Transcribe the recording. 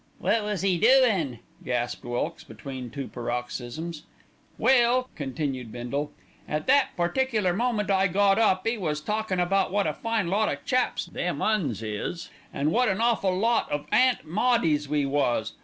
"Wot was 'e doin'?" gasped Wilkes between two paroxysms. "Well," continued Bindle, "at that particular moment I got up, 'e was talkin' about wot a fine lot o' chaps them 'Uns is, an' wot an awful lot of Aunt Maudies we was.